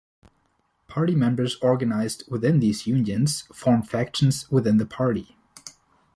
Party members organized within these unions form factions within the party.